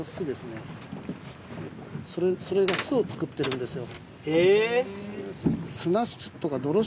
それが巣を作ってるんですよ。